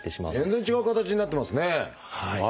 全然違う形になってますね。